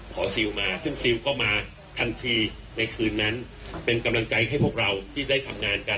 ซิลมาซึ่งซิลก็มาทันทีในคืนนั้นเป็นกำลังใจให้พวกเราที่ได้ทำงานกัน